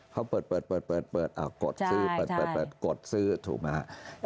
เขาเปิดกดซื้อถูกไหมครับ